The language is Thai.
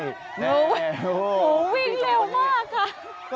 วิ่งเร็วมาก